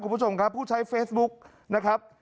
คุณผู้ชมครับผู้ใช้เฟซบุ๊กนะครับ